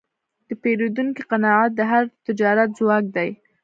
د پیرودونکي قناعت د هر تجارت ځواک دی.